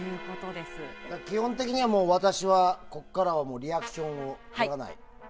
基本的には、私はここからはリアクションをとらない。